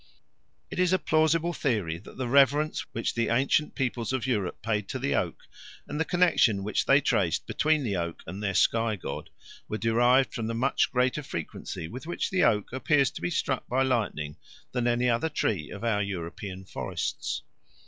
It is a plausible theory that the reverence which the ancient peoples of Europe paid to the oak, and the connexion which they traced between the tree and their sky god, were derived from the much greater frequency with which the oak appears to be struck by lightning than any other tree of our European forests.